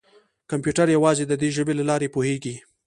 کمپیوټر یوازې د دې ژبې له لارې پوهېږي.